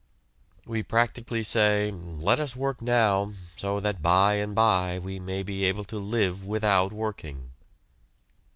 We practically say: "Let us work now, so that by and by we may be able to live without working!"